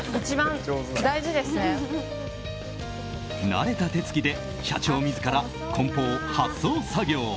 慣れた手つきで社長自ら梱包・発送作業。